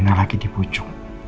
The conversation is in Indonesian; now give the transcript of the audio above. rena lagi di pucung